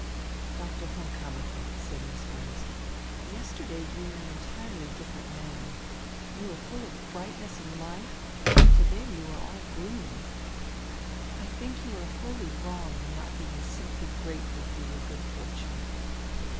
"Doctor von Kammacher," said Miss Burns, "yesterday you were an entirely different man. You were full of brightness and life; to day you are all gloom. I think you are wholly wrong in not being simply grateful for your good fortune.